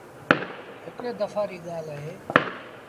هڪڙي دپآ ري ڳآل اهي۔